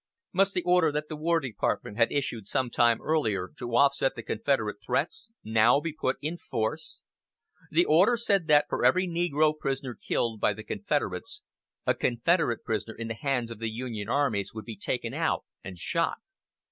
Must the order that the War Department had issued some time earlier, to offset the Confederate threats, now be put in force? The order said that for every negro prisoner killed by the Confederates a Confederate prisoner in the hands of the Union armies would be taken out and shot.